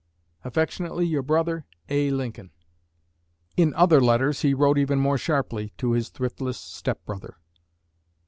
Affectionately your brother, A. LINCOLN. In other letters he wrote even more sharply to his thriftless step brother.